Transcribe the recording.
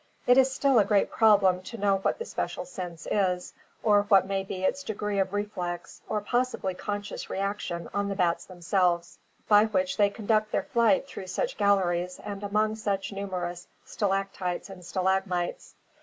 It is still a great problem to know what the special sense is, or what may be its degree of reflex or possibly conscious reaction on the bats them selves, by which they conduct their flight through such galleries and among such numerous stalactites and stalagmites.